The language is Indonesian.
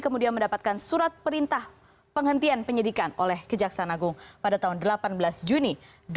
kemudian mendapatkan surat perintah penghentian penyidikan oleh kejaksaan agung pada tahun delapan belas juni dua ribu dua puluh